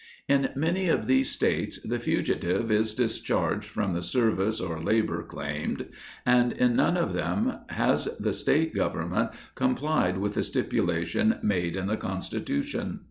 In many of these States the fugitive is discharged from the service or labor claimed, and in none of them has the State Government complied with the stipulation made in the Constitution.